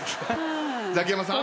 ザキヤマさん？